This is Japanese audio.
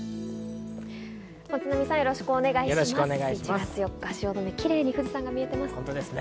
１月４日、汐留、キレイに富士山見えてますね。